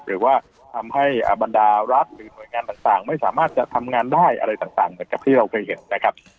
หรือว่าทำให้บรรดารัฐหรือหน่วยงานต่างไม่สามารถจะทำงานได้อะไรต่างเหมือนกับที่เราเคยเห็นนะครับ